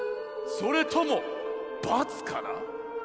それとも×かな？